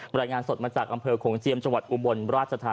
รายงานสดมาจากอำเภอโขงเจียมจังหวัดอุบลราชธา